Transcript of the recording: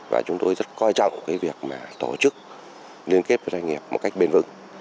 và chúng tôi rất quan trọng việc tổ chức liên kết với doanh nghiệp một cách bền vững